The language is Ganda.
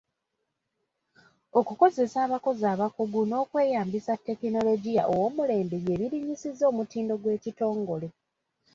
Okukozesa abakozi abakugu n’okweyambisa ttekinologiya ow'omulembe bye birinnyisizza omutindo gw'ekitongole.